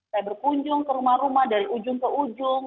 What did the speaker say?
saya berkunjung ke rumah rumah dari ujung ke ujung